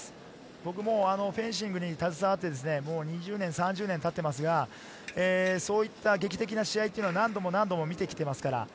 僕もフェンシングに携わって２０年、３０年経っていますが、そういった劇的な試合は何度も何度も見てきていますから。